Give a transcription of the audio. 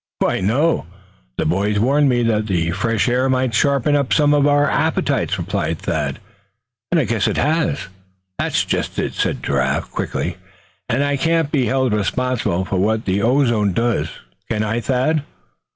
"Why, no, the boys warned me that the fresh air might sharpen up some of our appetites," replied Thad; "and I guess it has." "That's just it," said Giraffe, quickly; "and I can't be held responsible for what this ozone does, can I, Thad?